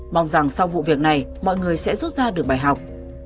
mong rằng sau vụ việc này mọi người sẽ rút ra được bài học